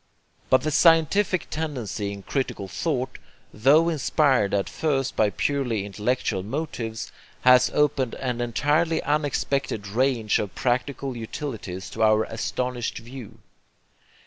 But the scientific tendency in critical thought, tho inspired at first by purely intellectual motives, has opened an entirely unexpected range of practical utilities to our astonished view.